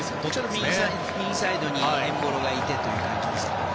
右サイドにエンボロがいてという感じですね。